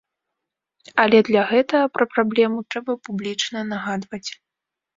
Але для гэтага пра праблему трэба публічна нагадваць.